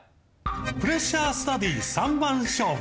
プレッシャースタディ３番勝負。